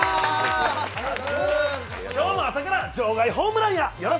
今日も朝から場外ホームランや。